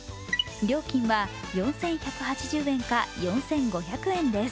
料金は４１８０円か４５００円です。